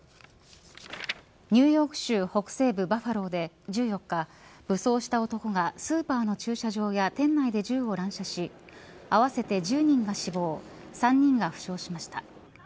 ニューヨーク州北西部バファローで１４日武装した男がスーパーの駐車場や店内で銃を乱射し合わせて１０人が死亡３人が負傷しました。